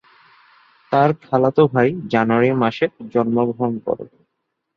তার খালাতো ভাই জানুয়ারি মাসে জন্মগ্রহণ করে।